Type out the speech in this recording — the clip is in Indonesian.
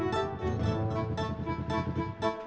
ya aku mau